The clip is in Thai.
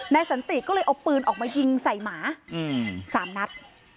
สันติก็เลยเอาปืนออกมายิงใส่หมา๓นัด